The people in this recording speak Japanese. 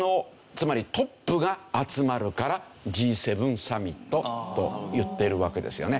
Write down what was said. つまりトップが集まるから「Ｇ７サミット」と言ってるわけですよね。